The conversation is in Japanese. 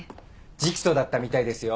直訴だったみたいですよ。